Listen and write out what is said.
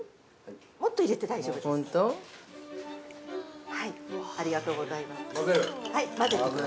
◆もっと入れて大丈夫です。